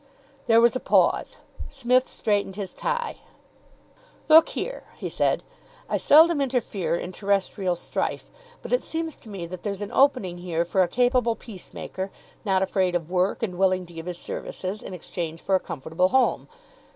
There was a pause. Psmith straightened his tie. "Look here," he said, "I seldom interfere in terrestrial strife, but it seems to me that there's an opening here for a capable peace maker, not afraid of work, and willing to give his services in exchange for a comfortable home.